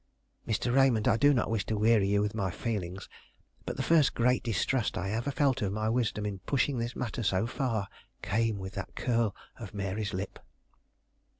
Mr. Raymond, I do not wish to weary you with my feelings, but the first great distrust I ever felt of my wisdom in pushing this matter so far came with that curl of Mary's lip.